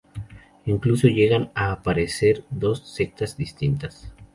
Incluso llegan a aparecer dos sectas distintas.